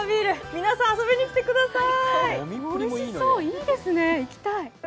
皆さん、遊びに来てください。